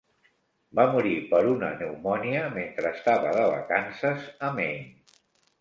Va morir per una pneumònia mentre estava de vacances a Maine.